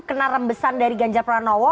kena rembesan dari ganjar pranowo